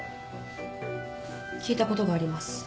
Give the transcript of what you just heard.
聞いたことがあります。